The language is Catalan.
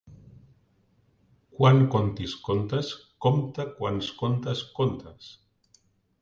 Quan contis contes compta quants contes contes.